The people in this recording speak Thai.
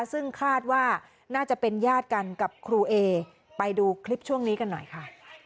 ซึ่งคาดว่าน่าจะเป็นญาติกันกับครูเอไปดูคลิปช่วงนี้กันหน่อยค่ะ